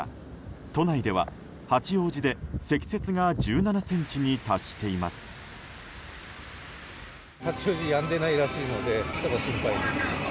都内では八王子で積雪が１７ｃｍに達しています。